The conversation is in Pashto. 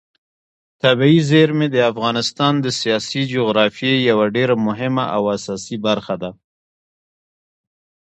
طبیعي زیرمې د افغانستان د سیاسي جغرافیې یوه ډېره مهمه او اساسي برخه ده.